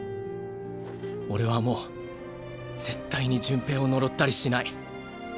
俺はもう絶対に順平を呪ったりしない。